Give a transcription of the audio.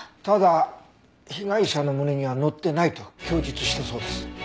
ただ被害者の胸には乗ってないと供述したそうです。